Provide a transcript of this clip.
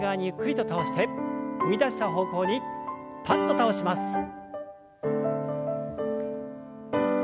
ゆっくりと体を倒して踏み出した方向にパッと倒します。